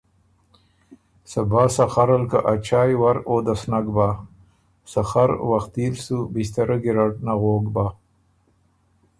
صبا سخر ال که ا چاۍٛ ور، او د سو نک بَۀ، سخر وختي ل سُو بِݭترۀ ګېرډ نغوک بَۀ۔